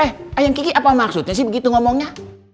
eh ayah kiki apa maksudnya sih begitu ngomongnya